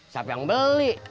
siapa yang beli